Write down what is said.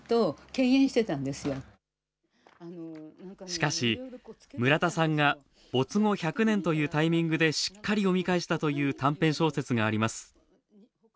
しかし、村田さんが没後１００年というタイミングでしっかり読み返したという短編小説があります。